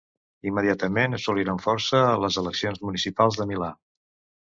Immediatament assoliren força a les eleccions municipals de Milà.